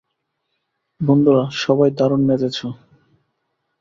বন্ধুরা, সবাই দারুণ নেচেছো।